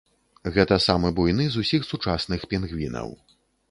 Гэта самы буйны з усіх сучасных пінгвінаў.